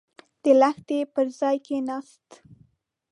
د لښتي پر ژۍکېناست.